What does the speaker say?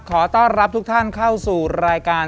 ขอต้อนรับทุกท่านเข้าสู่รายการ